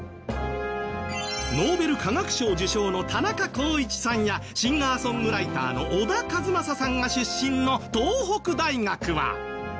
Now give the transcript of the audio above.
ノーベル化学賞受賞の田中耕一さんやシンガーソングライターの小田和正さんが出身の東北大学は。